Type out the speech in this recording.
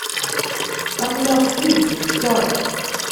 Aql-aɣ s tidet neskeṛ.